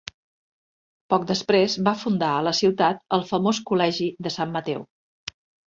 Poc després va fundar a la ciutat el famós col·legi de Sant Mateu.